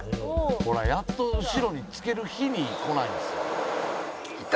「ほらやっと後ろにつける日に来ないんですよ」